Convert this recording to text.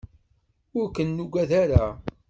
Ur kent-nuggad ara.